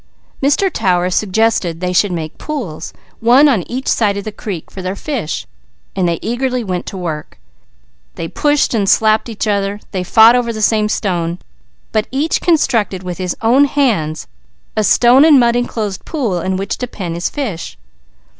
Mr. Tower suggested they should make pools, one on each side of the creek, for their fish, so they eagerly went to work. They pushed and slapped each other, they fought over the same stone, but each constructed with his own hands a stone and mud enclosed pool in which to pen his fish.